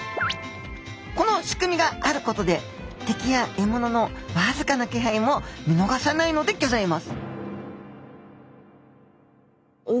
この仕組みがあることで敵や獲物のわずかな気配もみのがさないのでギョざいます！